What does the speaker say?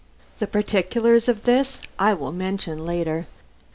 The particulars of this I will mention later.